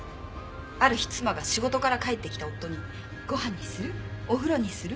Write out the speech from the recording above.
ある日妻が仕事から帰ってきた夫に「ご飯にする？お風呂にする？